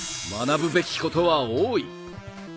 学ぶべきことは多い。